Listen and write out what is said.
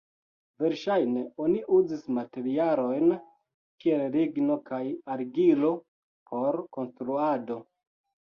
Verŝajne oni uzis materialojn kiel ligno kaj argilo por konstruado.